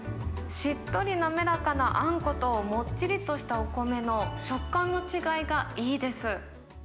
しっとり滑らかなあんこと、もっちりとしたお米の食感の違いがいいです。